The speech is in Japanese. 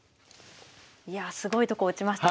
いやあすごいとこ打ちましたね。